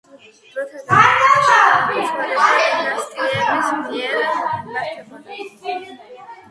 დროთა განმავლობაში ქალაქი სხვადასხვა დინასტიების მიერ იმართებოდა.